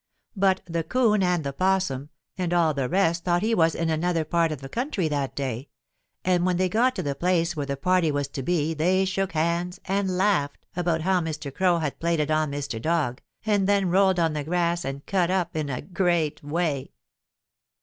But the 'Coon and the 'Possum and all the rest thought he was in another part of the country that day, and when they got to the place where the party was to be they shook hands and laughed about how Mr. Crow had played it on Mr. Dog and then rolled on the grass and cut up in a great way.